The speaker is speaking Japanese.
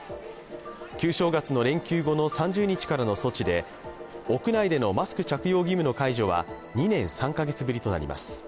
旧正月の連休後の３０日からの措置で屋内でのマスク着用義務の解除は２年３か月ぶりとなります。